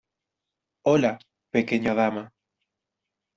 Hola, pequeña dama.